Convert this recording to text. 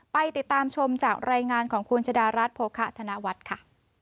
ไปติดตามชมจากรายงานของคุณชะดารัฐโภคะธนวัฒน์ค่ะ